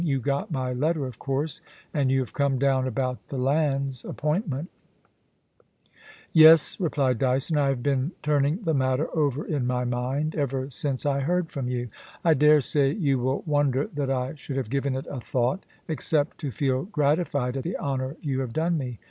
You got my letter, of course, and you have come down about the " Lands " appointment Y *Yes,' replied Dyson, *I have been turning the matter over in my mind ever since I heard from you. I dare say you will wonder that I should have given it a thought, except to feel gratified at the honour you have done me.